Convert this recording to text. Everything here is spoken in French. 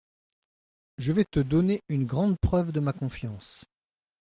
Je vais te donner une grande preuve de ma confiance…